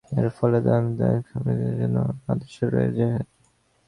এর ফলে দলের সাম্প্রদায়িক কর্মসূচি নির্ধারণের জন্য হিন্দুত্ববাদী আদর্শ রয়ে যায়।